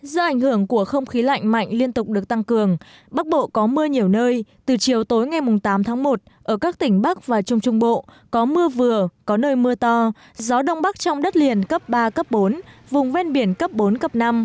do ảnh hưởng của không khí lạnh mạnh liên tục được tăng cường bắc bộ có mưa nhiều nơi từ chiều tối ngày tám tháng một ở các tỉnh bắc và trung trung bộ có mưa vừa có nơi mưa to gió đông bắc trong đất liền cấp ba cấp bốn vùng ven biển cấp bốn cấp năm